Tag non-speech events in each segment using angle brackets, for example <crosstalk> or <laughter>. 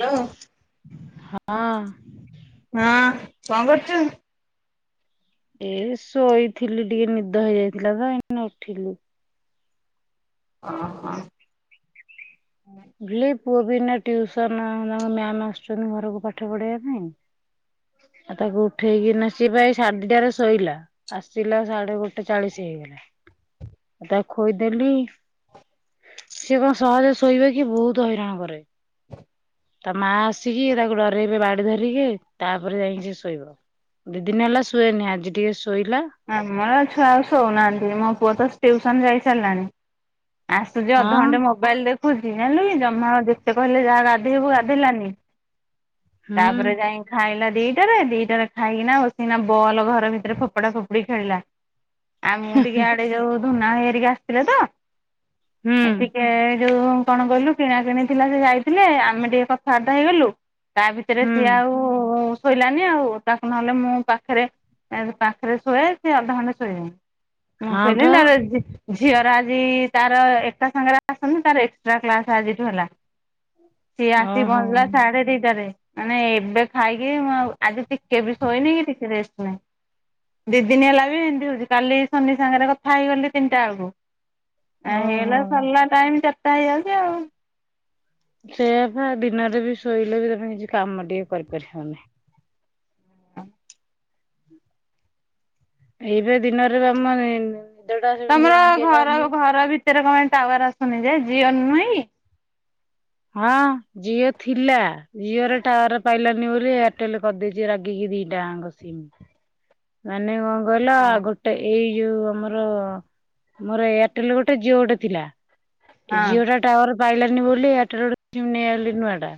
Hello. ହଁ ହଁ କଣ୍ କରୁଚୁ? ଏ ଶୋଇଥିଲି ଟିକେ ନିଦ ହେଇଯାଇଥିଲା ତ ଏଇନେ ଉଠିଲି। ଓହୋ। ହିଲି ପୁଅ ବି ଏଇନା ଟ୍ୟୁସନ୍ ତାଙ୍କ ମ୍ୟାମ୍ ଆସୁଚନ୍ତି ଘରକୁ ପାଠ ପଢେଇବା ପାଇଁ ଆଉ ତାକୁ ଉଠେଇକି ନା ସିଏ ବା ଏ ସାଢେ ଦିଟାରେ ଶୋଇଲା। ଆସିଲା ସାଢେ ଗୋଟେ ଚାଳିଶି ହେଇଗଲା ତାକୁ ଖୋଇଦେଲି ସିଏ କଣ ସହଜରେ ଶୋଇବେ କି ବହୁତ୍ ହଇରାଣ କରେ। ତା ମା ଆସିକି ତାକୁ ଡରଇବେ ବାଡି ଧରିକି ତାପରେ ଯାଇକି ସେ ଶୋଇବ। ଦି ଦିନ ହେଲା ଶୁଏନି ଆଜି ଟିକେ ଶୋଇଲା। ଆମର ଛୁଆ ଆଉ ଶୋଉ ନାହାନ୍ତି ମୋ ପୁଅ ତ ଟ୍ୟୁସନ୍ ଯାଇ ସାରିଲାଣି। ଆସୁଚି ହଁ ଅଧଘଣ୍ଟେ ମୋ ବାଇଲ୍ ଦେଖୁଚି ଜାଣିଲୁ କି ଜମା ଯେତେ କହିଲେ ଯା ଗାଧେଇବୁ ଗାଧେଇଲାନି। ହୁଁ। ତାପରେ ଯାଇଁ ଖାଇଲା ଦିଟାରେ ଦିଟାରେ ଖାଇକିନା ବସିକିନା ବଲ ଘର ଭିତରେ ଫୋପାଡା ଫୋ ଡି ଖେଳିଲା ଆଉ ମୁଁ ଟିକେ ଆଡେ ଯଉ ଧୁନା ହେରିକା ଆସିଥିଲେ ତ ହୁଁ ଟିକେ ଯୋଉ କଣ କହିଲୁ କିଣା କିିଣି ଥିଲା ସେ ଯାଇଥିଲେ ଆମେ ଟିକେ କଥାବାର୍ତ୍ତା ହେଇଗଲୁ। ତା ଭିତରେ ହୁଁ ସିଏ ଆଉ ଶୋଇଲାନି ଆଉ ତାକୁ ନହେଲେ ମୁଁ ପାଖେରେ ପାଖେରେ ଶୁଏ ସେ ଅଧ ଘଣ୍ଟେ ଶୋଇଲେଣି ମୁଁ ହଁ ଶୋଇଲେ ପା ତାପରେ ଝିଅର ଆଜି ତାର ଏକା ସାଙ୍ଗରେ ଆସନ୍ତି। ତାର ଏକ୍ସଟ୍ରା କ୍ଲାସ୍ ଆଜିଠୁ ହେଲା। ସିଏ ଆସି ଓହୋ ପହଞ୍ଚିଲା ସାଢେ ଦିଟାରେ। ମାନେ ଏବେ ଖାଇକି ମୁଁ ଆଉ- ଆଜି ଟିକେ ବି ଶୋଇନି କି ଟିକେ ରେଷ୍ଟ୍ ନାହିଁ। ଦି ଦିନ ହେଲା ବି ଏମିତି ହଉଚି କାଲି ସୋନି ସାଙ୍ଗରେ କଥା ହେଇଗଲି ତିନିଟା ଳାକୁ। ଆ ହେଇଗଲା ଓହୋ। ସରିଲା ଟାଇମ୍ ଚାର୍ ଟା ହେଇଯାଉଚି ଆଉ। ସେଇୟା ପା ଦିନରେ ବି ଶୋଇଲେ ବି ତମେ କିଛି କାମ ଟିକେ କରିପାରିବନି। ଏଇବେ ଦିନରେ ଆମରେ ନି ତମର ଘର ଘର ଭିତରେ କଣ ଟାୱାର ଆସୁନି ଯେ ଜିଓ ନୁହେଁ କି? ହଁ ଜିଓ ଥିଲା ଜିଓର ଟାୱାର ପାଇଲାନି ବୋଲି ଏଆର ହୋଟେଲ କରିଦେଇଛି ରାଗିକି ଦିଟାଙ୍କ ସିମି ମାନେ କଣ କହିଲ ହଁ। ଗୋ ଗୋଟେ ଏଇ ଯୋଉ ଆମର ମୋର ଏୟାରଟେଲ ଗୋଟେ ଜିଓ ଗୋଟେ ଥିଲା। ହଁ। ଜିଓ ଟା ଟାୱାର ପାଇଲାନି ବୋଲି ଏଟ ଗୋଟେ ସିମ୍ ନେଇଆଇଲି ନୂଆଟା।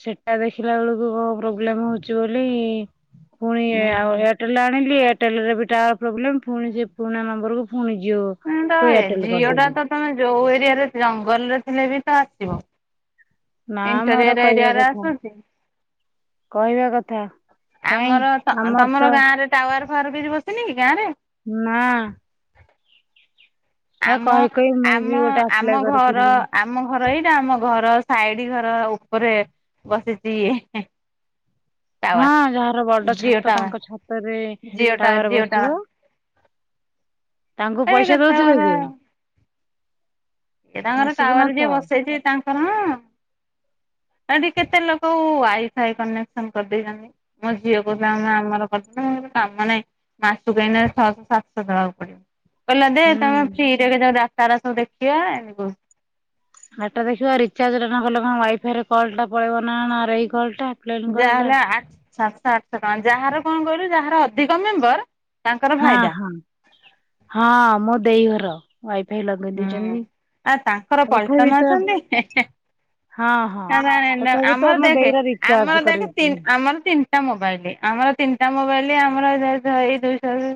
ସେଟା ଦେଖିଲା ବେଳକୁ କଣ ପ୍ରୋବ୍ଲେମ ହଉଛି ବୋଲି ପୁଣି ଆଉ ହୁଁ ହୁଁ। ଏଆର ଏୟାରଟେଲ ଆଣିଲି ଏୟାରଟେଲ ରେ ବି ଟାୱାର ପ୍ରୋବ୍ଲେମ୍ ପୁଣି ସେ ପୁରୁଣା ନମ୍ବର କୁ ପୁଣି ଜିଓ ହୁଁ ତ ଏଇ ତ ଜିଓ ଟା ତ ତମେ ଯୋଉ ଏରିଆରେ ଜଙ୍ଗଲ ରେ ଥିଲେ ବି ତ ଆସିବ। ନା ମ ଏଗୁରା ଏଣ୍ଟରିୟର କହିବା ଏରିଆ କଥା ଆସୁଛି? କହିବା କଥା। କାଇଁ ଆମର ତମର ଆମର ତ ଗାଁ ରେ ଟାୱାର ଫୱାର କିଛି ବସିନି କି ଗାଁ ରେ? ନାଁ। ଆମ କହି କହି ମୁଁ ବି ଆମ ଗୋଟେ ଆମ ଆପ୍ଲାଏ ଘର କରିଥିଲି ଆ ଆମ ଘର ଏଇଟା ଆମ ଘର ସାଇଡ ଘର ଉପରେ ବସିଛି ଇଏ ଟାୱାର ହଁ ଯାହାର ବଡ ଜିଓ ଛାତ ଟାୱାର। ତାଙ୍କ ଛାତରେ ଜିଓ ଟାୱାର ଜିଓ ଟାୱାର ବସିବ। ତାଙ୍କୁ ଏଇ ପଇସା କେତେ ଦଉଥିବେ ଯେ। ସିଏ ତାଙ୍କର ମାସକୁ ଟାୱାର ମାସ ଯିଏ ବସେଇଛି ତାଙ୍କର ହଁ। ଏଠି କେତେ ଲୋକ ୱାଇ ଫାଇ କନେକ୍ସନ କରିଦେଇଛନ୍ତି। ମୋ ଝିଅ କହିଲା ଆମର କାମ ନାହିଁ ମାସ କୁ ଏଇନା ଛଅଶହ ସାତଶହ ଦେବାକୁ ପଡିବ। କହିଲା ଦେ ତମେ ହୁଁ ଫ୍ରିରେ କେତେ ରାସ୍ତା ସବୁ ଦେଖିବା ଏମିତି କହୁ ଏଟା ଦେଖିବା ରିଚାର୍ଜ ଟା ନ କଲେ କଣ ୱାଇଫାଇ କଲ୍ ଟା ପଳେଇବ ନା ଏଇ ଆର ଏଇ କଲ୍ ଟା। ପ୍ଲେନ୍ କଲ୍ ଟା ଯାହାହେଲେ ଆଠ ସାତଶହ ଆଠଶହ ଟଙ୍କା ଯାହାର କଣ କହିଲୁ ଯାହାର ଅଧିକ ମେମ୍ବର ତାଙ୍କର ହଁ ଫାଇଦା ହଁ ହଁ ମୁଁ ଦେଇ ଘର ୱାଇ ହୁଁ ଆ ତାଙ୍କର ତଥାପି ପଇସନ ତ ଅଛନ୍ତି। ହଁ ହଁ ନାଇ ତଥାପି ତ ଆମର ମୋ ଦେଖେ ଦେଇର ରିଚାର୍ଜ ଆମର ଦେଖେ କରିଛି। ତିନି ଆମର ତିନି ଟା ମୋବାଇଲ ଆମର ତିନିଟା ମୋବାଇଲ ଆମର ଏଇ ଦୁଇଶହ।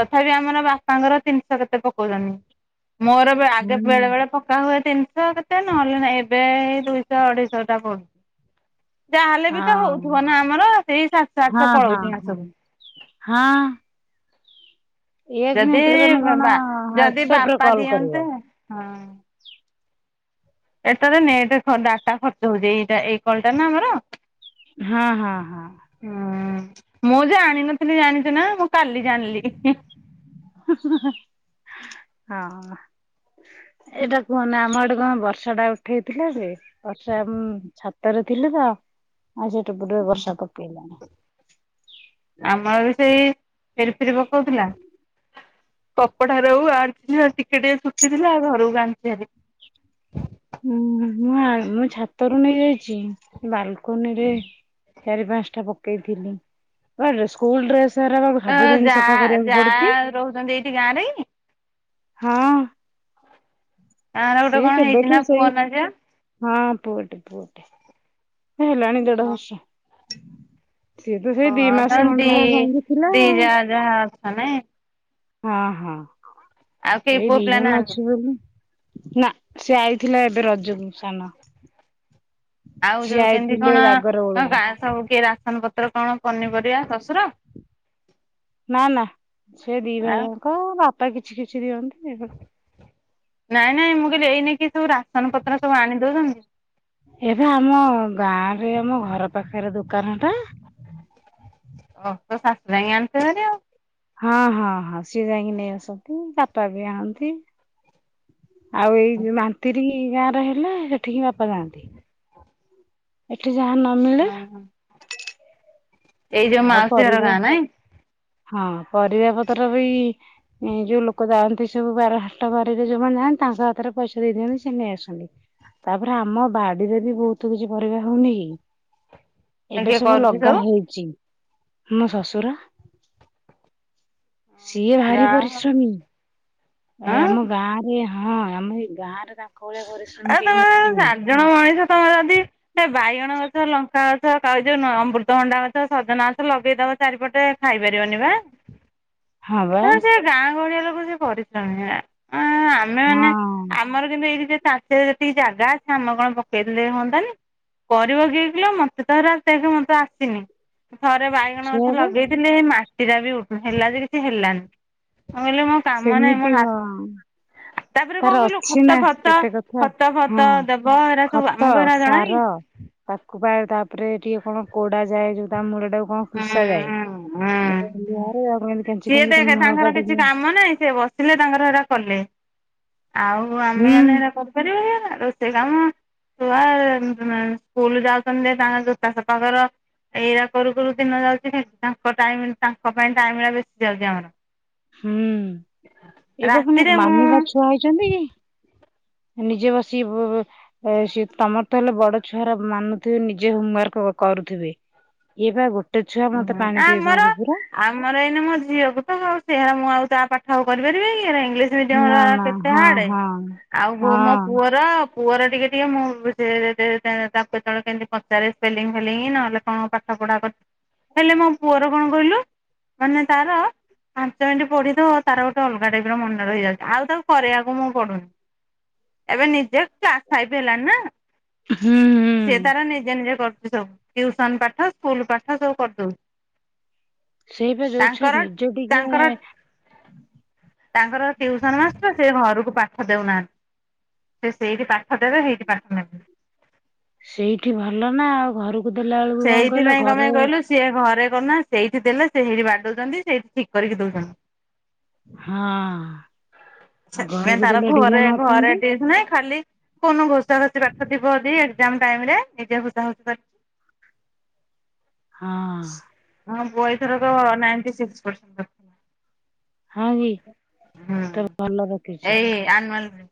ତଥାପି ଆମର ବାପାଙ୍କର ଜିନିଷ କେତେ ପକଉନି ମୋର ଆଗେ ହୁଁ ବେଳେ ବେଳେ ପା ହୁଏ ତିନିଶହ କେତେ ନହେଲେ ନା ଏବେ ଦୁଇଶହ ଅଢେଇଶହ ଟା ପଡୁଛି। ଯାହାହେଲେ ହଁ ବି ତ ହଉଥିବ ନା ଆମର ସେଇ ସାତ ହଁ ଆଠଶହ ହଁ ପଳଉଛି ହଁ। ମାସବ। ହଁ। ଏ ଯଦି ଏଥିରେ ତମେ କଣ ବା ଯଦି ହ୍ଵାଟସଆପ ରେ ବାପା କଲ୍ କରିବ। ଦିଅନ୍ତେ ହଁ। ଏଟ ତ ନେଟ ଡାଟା ଖର୍ଚ୍ଚ ହଉଛି ଏଇଟା ଏଇ କଲ ଟା ନା ଆମର। ହଁ ହଁ ହଁ। ହୁଁ ମୁଁ ଜାଣିନଥିଲି ଜାଣିଛି ନା ମୁଁ କାଲି ଜାଣିଲି। ହଁ। ଏଇଟା କୁହନ ଆମ ଗଠେ କଣ ବର୍ଷା? ଉଠେଇଥିଲା ଯେ ଅଠ ଛାତରେ ଥିଲୁ ତ ଆଉ ସେଟ ପଟ ବର୍ଷା ପ ପିିଲଣି ଆମର ବି ସେଇ ଫେରି ଫେରି ପକଉଥିଲା କପଟା ରଉ ଆ ଟିକେ ଟିକେ ଶତିଥିଲା ଆଉ ଘରକୁ ଆଣି ହେଲି। ହୁଁ ମୁଁ ମୁଁ ଛାତରୁ ନେଇ ଯାଇଛି ବାଲକନିରେ। ଚାରି ପାଞ୍ଚଟା ପକେଇଥିଲି। ସ୍ ଡସ ଅ ଭାବୁନି ଯା ସଫା କରିବାକୁ ଯା ପଡୁଛି। ରହୁଛନ୍ତି ଏଇଠି ଗାଁ ରେ କି ହଁ। ତର ଗୋଟେ ସିଏ କଣ ହେଇଛି କେବେଠୁ ନା ସେଇ ପୁଅ ନା ଯ? ହଁ ପୁଅଟେ ପୁଅଟି ହେଲାଣି ଦେଢ ବର୍ଷ। ସିଏ ତ ସେଇ ଦି ଓୋ ମାସ ତା ଖଣ୍ଡେ ଦି ଯାହା ଯାଇକି ଥିଲା ଦି ଆଉ ଯା ଯାହା ଅଛ ନ ହଁ ହଁ। ଆଉ କେହି ଏଇ ପୁଅ ଦି ପିଲା ଜଣ ନାହାନ୍ତି ଅଛି ବୋଲି ନା ସେ ଆଇଥିଲା ଏବେ ରଜକୁ ସାନ। ଆଉ ସିଏ ଯଉ କେମିତି ଆଇଥିଲେ କଣ ଜାଗର ବେଳକୁ ଗାଁ ସବୁ କିଏ ରାସନ ପତ୍ର କଣ ପନିପରିବା ଶଶୁର? ନା ନା ସେ ଦି ଆଉ ଭାଇଆଙ୍କ ବାପା କିଛି କିଛି ଦିଅନ୍ତି। ନାଇଁ ନାଇଁ ମୁଁ କହିଲି ଏଇ ନେଇକିଏସବୁ ରାସନ ପତ୍ର ସବୁ ଆଣି ଦଉଛନ୍ତି। ଏବେ ଆମ ଗାଁ ରେ ଆମ ଘର ପାଖରେ ଦୋକାନ ଟା। ଓହ ତୋ ଶାଶୁ ଯାଇ ଆଣୁଥିବେରେ ଆଉ। ହଁ ହଁ ହଁ ସିଏ ଯାଇକି ନେଇ ଆସନ୍ତି ବାପା ବି ଆଣନ୍ତି। ଆଉ ଏଇ ଯୋଉ ମାନ୍ତିରି ଗାଁରେ ହେଲେ ସେଠିକି ବାପା ଯାଆନ୍ତି। <inaudible> ଏଠି ଯାହା ନ ମିଳେ ଓହୋ ଏଇ ଯଉ ଆଉ ମାଉସୀ ଘର ପରିବା ଗାଁ ନାଇଁ? ହଁ ପରିବା ପତ୍ର ବି ଏ ଯଉ ଲୋକ ଯାଆନ୍ତି ସବୁ ବାର ହାଟ ବାରିରେ ଯୋଉମାନେ ଯାଆନ୍ତି ତାଙ୍କ ହାତରେ ପଇସା ଦେଇ ଦିଅନ୍ତି ସେ ନେଇ ଆସନ୍ତି। ତାପରେ ଆମ ବାଡିରେ ବି ବହୁତ କିଛି ପରିବା ହଉନି କି? ଏବେ କିଏ ସବୁ କରୁଛି ଲଗା ହେଇଛି ମୋ ଶଶୁର। ସିଏ ଯା ଭାରି ହଉ ପରିଶ୍ରମୀ, ଏ ହଁ ଆମ ଗାଁ ରେ ହଁ ଆମ ଏଇ ଗାଁରେ ତା ଏ ତମେ ଚାର ଜଣ ମଣିଷ ତମେ ଯଦି ସେ ବାଇଗଣ ଗଛ ଲଙ୍କା ଗଛ କ ଯୋଉ ଅମୃତଭଣ୍ଡା ଗଛ ସଜନା ଗଛ ଲଗେଇଦବ ଚାରିପଟେ ଖାଇ ପାରିବନି ବା। ହଁ ବା। ହେଲେ ସେ ଗାଁ ଗହଳିଆ ଲୋକ ସେ ପରିଶ୍ରମି, ଆମେଁ ମାନେ ହଁ ଆମର କିନ୍ତୁ ଏଇ ସେ ତାଟରେ ରେ ଯେତିକି ଜାଗା ଅଛି, ଆମ କଣ ପକେଇ ଦେଲେ ହଅନ୍ତାନି? କରିବ କିଏ କିଲୋ? ମତେ ତ ହେରା <unintelligible> ଆସିନି ଥରେ ବାଇ ଗଣ ଗଛ ସେୟା ବା ଲଗେଇଥିଲି, ହେଇ ମାଟି ରା ବି ଉ ହେଲା, ଯେ କିଛି ହେଲାନି। ହଁ, କହିଲେ ମୋ କାମ ନାହିଁ ସେମିତି ମୋ ହାତ, ହଁ। ତା'ପରେ ତାର କଣ କହିଲୁ ଅଛି ନା ଖୁଟା ଫାତ୍ ତ କେତେ କଥା ଖତ ହଁ ଫତ ଦେବ, ହେରା ସବୁ ଖତ ଆମକୁ ହେରା ଜଣା କି? ସାର ତାକୁ ପା ତା'ପରେ ଟିକେ କଣ କୋଡା ଯାଏ, ଯୋଉ ତା ମୂଳ ଟାକୁ କଣ ହୁଁ ଖୁସା ଯାଏ? ହୁଁ ହୁଁ। <unintelligible> ସିଏ ତା ଦେଖେ ମୁଳଟା ତାଙ୍କର କିଛି ଟିକେ କାମ ନାହିଁ। ସିଏ ବସ୍ ଥିଲେ ତାଙ୍କର ସେଟା କଲେ, ଆଉ ହୁଁ ଆମେ ମାନେ ହେରା କରିପାରିବା କି ହେରା, ରୋଷେଇ କାମ ଛୁଆ-ଆ ସ୍କୁଲ ଯାଉଛନ୍ତି, ତାଙ୍କ ଜୋତା ସପା କର। ଏଇରା କରୁ କରୁ ଦିନ ଯାଉଛି, ଖାଲି ତାଙ୍କ ଟାଇମ୍ ତାଙ୍କ ପାଇଁ ଟାଇମ୍ ରା ବେଶି ଯାଉଛି ଆମର। ହୁଁ, ଏବେ ପୁଣି ରାତିରେ ମାନିବା ମୁଁ ଛୁଆ ହେଇଛନ୍ତି କି? ନିଜେ ବସି ବ-ବ ସିଏ ତମର ତ ହେଲେ ବଡ ଛୁଆରା ମାନୁଥିବେ ନିଜେ ହୋମ ୱାର୍କ କରୁଥିବେ। ଇଏ ବା ଗୋ ଗୋଟେ ଛୁଆ ଉଁ ମତେ ପାଣି ପିଏଇ ଆମର ଦଉଛି ପୁରା। ଆମର ଏଇନେ ମୋ ଝିଅକୁ ତ, ସେୟା ମୁଁ ଆଉ ତା ପାଠ ଆଉ କରିପାରିବି କି? ଏରା ଇଂଲିଶ ଇଂଲିଶ ମିଡିଅମ୍ ନା ର ଏରା ନା କେତେ ହଁ ହାଡେ, ହଁ ଆଉ ବୋ ମୋ ହଁ ପୁଅର ପୁଅର ଟିକେ ଟିକେ ମୁଁ <unintelligible> ତାକୁ କେତେବେଳେ କେମିତି ପଚାରେ ସ୍ପେଲିଂ ଫେଲିଂ ନହେଲେ କଣ ପା ପାଠ ପଢା କର ହେଲେ ମୋ ପୁଅର କଣ କହିଲୁ? ମାନେ ତାର ପାଞ୍ଚ ମିନିଟ୍ ପଢି ଦବ। ତାର ଗୋଟେ ଅଲଗା ଟାଇପ୍ ର ମନ ରହିଯାଉଛି, ଆଉ ତାକୁ କରେଇଆକୁ ମୁଁ ପଡୁନି। ଏବେ ନିଜେ କ୍ଲାସ୍ ଫାଇଫ୍ ହେଲାଣିି ନା? ହୁଁ ହୁଁ। ସେ ତାର ନିଜେ ନିଜେ କରୁଛି ସବୁ। ଟ୍ୟୁସନ ପାଠ, ସ୍କୁଲ ପାଠ ସବୁ କରିଦଉଛି। ସେଇପା ଯଉ ଛୁଆ ତାଙ୍କର ନିଜ ଟିକେ-ଏ ତାଙ୍କର ତାଙ୍କର ଟ୍ୟୁସନ ମାଷ୍ଟର ସେ ଘରକୁ ପାଠ ଦେଉନାହାଁନ୍ତି। ସେ ସେଇଠି ପାଠ ଦେବେ, ହେଇଠି ପାଠ ନେବେ। ସେଇଠି ଭଲ ନା ଆଉ! ଘରକୁ ଦେଲା ବେଳକୁ କଣ କହିଲ, ସେଇଥିପାଇଁ କଣ ପାଇଁ ଘରେ କହିଲୁ ସିଏ ଘରେ କନା ସେଇଠି ଦେଲେ, ସେ ହେଇଠି ବାଡଉଛନ୍ତି ସେଇଠି ଠିକ୍ କରିକି ଦଉଛନ୍ତି। ହଁ। ଆଉ ସେଥ୍ ପାଇଁ ଘରକୁ ତାର ଦେଲେ ଢିଲା ଘରେ ଘରେ ମାରୁଛନ୍ତି <unintelligible> ନାଇଁ ଖାଲି କୌନ ଘୋଷା ଘୋଷି ପାଠ ଥିବ ଅଦି, ଏକ୍ଜାମ୍ ଟାଇମ୍ ରେ ନିଜେ ଘୋଷା ଘୋଷି କରି ହଁ-ଅଁ। ହଁ, ପୁଅ ଏଇଥରକ ନାଇନ୍ଟି ସିକ୍ସ ପରସେଣ୍ଟ ରଖ୍ ହଁ କି, କତେ ଭଲ ରଖିଛି। ଆନୁଆଲ୍ ରେ।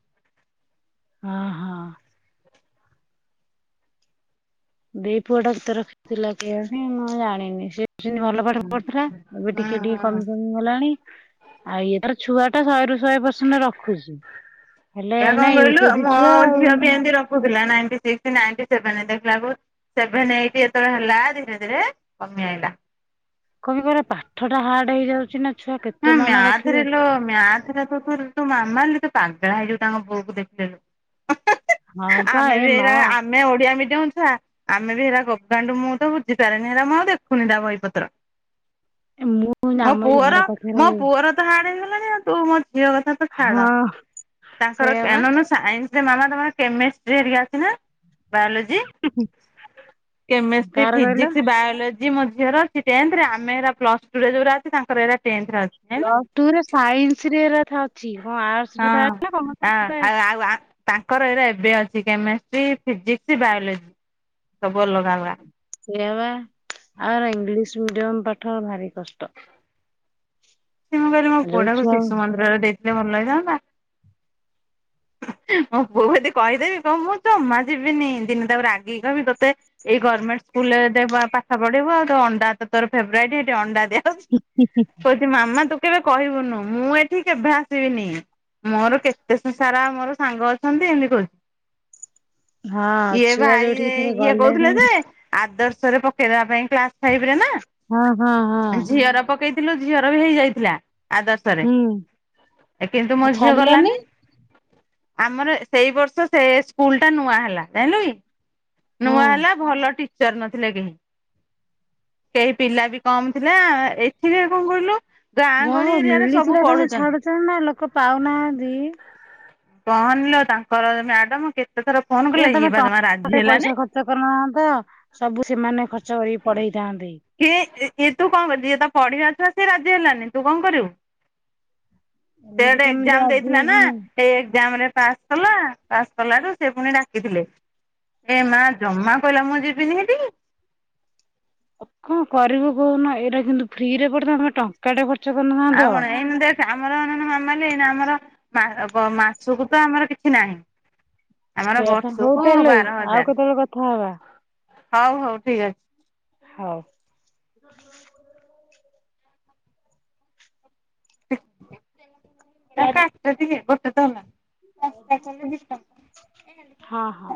ଅ, ହଁ। ଦେଇ ପୁଅ ଟା କେତେ ରଖିଥିଲା କେ ଆଣି? ମୁଁ ଜାଣିନି। ସେବି ସିଁତି ଭଲ ପାଠ ହୁଁ। ପଢୁଥିଲା। ଏବେ ହୁଁ ଟିକେ ଟିକେ ହୁଁ। କମି କମି ହେଲାଣି। ଆଉ ଇଏ ତ ଛୁଆଟା ଶହେରୁ ଶହେ ପରସେଣ୍ଟ ରଖୁଛି। ହେଲେ ଏହା ଏଇନା କଣ ୟୁ କହିଲୁ? କେଜି ମୋ ଛୁଆ ଆଉ ଝିଅ ବି ଏମିତି ରଖୁଥିଲା ନାଇନ୍ଟିସିକ୍ସ ନାଇନ୍ଟିସେଭେନ୍ ଦେଖିଲାକୁ ସେଭେନ୍ ଏଇଟ୍ ଏତେବେଳେ ହେଲା, ଧୀରେ ଧୀରେ କମି ଆଇଲା। କବି କରେ ପାଠ ଟା ହାର୍ଡ ହେଇଯାଉଛି ନା ଛୁଆ କେତେ ନାଁ ମନେ ମ୍ୟାଥ୍ ରଖିବେ ରେଲୋ ମ୍ୟାଥ୍ ରେତୁ ଶୁଣୁ ତୁ ମାମାଲି, ତୁ ପାଗଳା ହେଇଯିବୁ ତାଙ୍କ ପୁଅ କୁ ଦେଖିଦେଲେ ହଁ <unintelligible> ପା ଆମେ ଏ ବି ମା ଏଇରା, ଆମେ ଓଡିଆ ମିଡିୟମ ଛୁଆ ଆମେ ବି ହେରା ଗବାଣ୍ଡୁ ମୁଁ ତ ବୁଝିପାରେନି, ହେରା ମୁଁ ଆଉ ଦେଖୁନି ତା ବହିପତ୍ର। ଏ ମୁଁ କହୁଚି, ମୋ ଆମ ଏଇ ପୁଅର ଘର ପାଖ ମୋ ପୁଅର ତ ହାଡ଼ ହେଇଗଲାଣି, ଆଉ ତୁ ମୋ ଝିଅ କଥା ତ ଛାଡ଼, ହଁ ତାଙ୍କର ସେଇଆ ବା <unintelligible> ସାଇନ୍ସ ରେ ମାମା ତମର କେମିଷ୍ଟ୍ରି ହେରିକି ଅଛି ନା? ବାୟୋଲୋଜି, କେମେଷ୍ଟ୍ରି କାହାର କହିଲ ଫିଜିିକିସ୍‌ ବାୟୋଲ ଆଜି ମୋ ଝିଅର ଅଛି, ଟେନ୍‌ଥ ରେ, ଆମେ ଏରା ପ୍ଲସ୍‌ଟୁରେ ଯୋଉରା ଅଛି, ତାଙ୍କର ଏରା ଟେନ୍‌ଥରେ ଅଛି। ହେଲା ପ୍ଲସ୍‌ ଟୁରେ ସାଇନ୍ସରେ ଏରା ଥା ଅଛି, କଣ ଆର୍ଟସ ରେ ଥାଏ ନା, କମର୍ସରେ ଥାଏ? ଆୱା ତାଙ୍କର ଏରା ଏବେ ଅଛି, କେମେଷ୍ଟ୍ରି ଫିଜିକ୍ସ ବାୟୋଲୋଜି, ସବୁ ଅଲଗା ୱା। ସେଇଆବା, ଆଉ ଏରା ଇଂଲିଶ ମିଡିୟମ ପାଠ ଭାରି କଷ୍ଟ। ଏ ମୁଁ କହିଲି, ମୋ ଯୋଉ ପୁଅଟାକୁ ଛୁଆ ଶିଶୁ ମନ୍ଦିରରେ ଦେଇଥିଲେ ଭଲ ହେଇଥାନ୍ତା। ମୋ ପୁଅକୁ ଯଦି କହିଦେବି, କହିବ ମୁଁ ଜମା ଯିବିନି, ଦିନେ ତାକୁ ରାଗିକି କହିମି ତତେ ଏଇ ଗର୍ମେଣ୍ଟ ସ୍କୁଲ ଦେ ପାଠ ପଢିବୁ ଆଉ, ଅଣ୍ଡା ତୋର ଫେବରାଇଟ ଇ, ହେଟି ଅଣ୍ଡା ଦି <unintelligible> କହୁଚି ମାମା ତୁ କେବେ କହିବୁନୁ, ମୁଁ ଏଠି କେଭେ ଆସିବିନି, ମୋର କେତେ ସା ସାରା ମୋର ସାଙ୍ଗ ଅଛନ୍ତି, ଏମିତି କହୁଛି। ହଁ ଇଏ ଛୁଆ ଭାଇରେ, ଯୋଉଠିକି ଥରେ ଇଏ କହୁଥିଲେ ଗଲେଣି ଯେ ଆଦର୍ଶରେ ପକେଇଦେବା ପାଇଁ, କ୍ଲାସ ଫାଇଭ ରେ ନା, ହଁ ହଁ ହଁ ଝିଅର ପକେଇଥିଲୁ ଝିଅର ବି ହେଇଯାଇଥିଲା, ଆଦର୍ଶରେ, ହୁଁ କିନ୍ତୁ ମୋ ଆଉ ଝିଅ ଛାଡିଲନି ଗଲାନି। ଆମର ସେଇ ବର୍ଷ, ସେ ସ୍କୁଲ ଟା, ନୂଆ ହେଲା, ଜାଇଁଲୁ କି? ହଁ। ନୂଆ ହେଲା, ଭଲ ଟିଚର ନଥିଲେ କେହି। କେହି ପିଲା ବି କମ ଥିଲା, ଏଥିରେ କଣ କହିଲୁ, ଗାଁ ଯାହା ଗହଳି ହଉ ଏରିଆରେ ମିଳିଥିଲା ସବୁ ପଢୁଚନ୍ତି। <unintelligible> ଲୋକ ପାଉନାହାନ୍ତି। କହନିଲୋ, ତାଙ୍କର ମ୍ୟାଡ଼ାମ କେତେ ଥର ଫୋନ ଏ କଲେ, ତମେ ଏଇ ପା ଟ ଜମା ରାଜି ଗୋଟେ ପଇସା ହେଲାନି। ଖର୍ଚ୍ଚ କରିନହାନ୍ତ, ସବୁ ସେମାନେ ଖର୍ଚ୍ଚ କରିକି ପଢେଇଥାନ୍ତେ। କି ଏ ତୁ କଣ କରୁ, ଯିଏ ତ ପଢିବା ଛୁଆ, ସେ ରାଜି ହେଲାନି, ତୁ କଣ କରିବୁ? ସେ ଏମିତି ଗୋଟେ କେମିତି ଏକ୍ଜାମ ରାଜି ଦେଇଥିଲା ନା ହେବେନି। ସେ ଏକ୍ଜାମ ରେ ପାସ୍ କଲା, ପାସ୍ କଲାରୁୁ, ସେ ପୁଣି ଡାକିଥିଲେ। ଏ ମା, ଜମା କହିଲା ମୁଁ ଯିବିନିି ହେଠିକି। କଣ କରିବୁ କହୁନୁ, ଏଇଟା କିନ୍ତୁ ଫ୍ରିରେ ପଡିଥାନ୍ତା ଟ ଟଙ୍କାଟେ ଖର୍ଚ୍ଚ କରି ନ ଆଉ ଏଇମିତିଆ ଆମର ଅନଉନୁ ମାମଲି, ଏଇନା ଆମର ବ ମାସକୁ ତ ଆମର କିଛି ନାହିଁ। ଆମର ସେଇଆ ପା ହଉ ବର୍ଷକୁ ତାହେଲେ ବାର ଆଉ ହଜାର, କେତେବେଳେ କଥା ହବା ହଉ ହଉ ଠିକ ଅଛି। ହଉ। <unintelligible> ଏ କାଟ ଟିକେ, ଗୋଟେ ତ ହେଲା। ପାଞ୍ଚଟା କଲେ ଦି ଟଙ୍କା। ହଁ ହଁ।